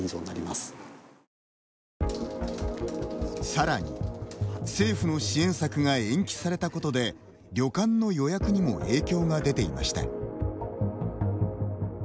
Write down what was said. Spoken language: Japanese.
さらに、政府の支援策が延期されたことで旅館の予約にも影響が出ていました。